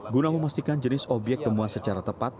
guna memastikan jenis obyek temuan secara tepat